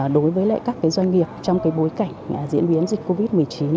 đối với các doanh nghiệp trong bối cảnh diễn biến dịch covid một mươi chín